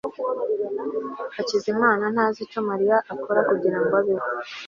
hakizimana ntazi icyo mariya akora kugirango abeho